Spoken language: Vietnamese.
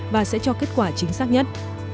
và sẽ cho kết quả chính xác nhất